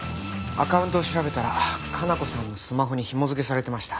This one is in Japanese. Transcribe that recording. アカウントを調べたら加奈子さんのスマホにひもづけされてました。